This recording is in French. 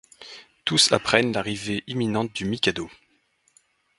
Tous apprennent l'arrivée imminente du Mikado.